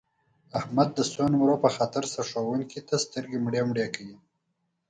د احمد د څو نمرو په خاطر سرښوونکي ته سترګې مړې مړې کوي.